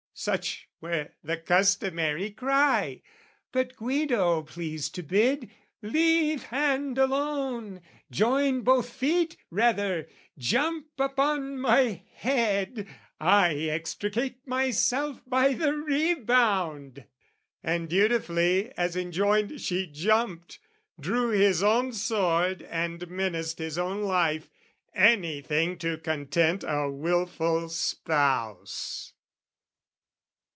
such were the customary cry: But Guido pleased to bid "Leave hand alone! "Join both feet, rather, jump upon my head, "I extricate myself by the rebound!" And dutifully as enjoined she jumped Drew his own sword and menaced his own life, Anything to content a wilful spouse.